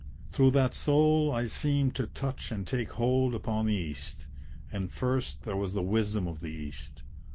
Through that soul I seemed to touch and take hold upon the East. And first there was the wisdom of the East.